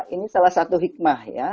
ini salah satu hikmah ya